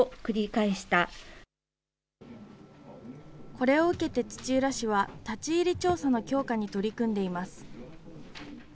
これを受けて土浦市は、立ち入り調査の強化に取り組んでいます。